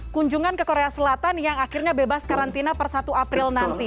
kunjungan ke korea selatan yang akhirnya bebas karantina per satu april nanti